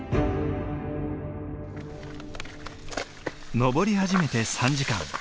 登り始めて３時間。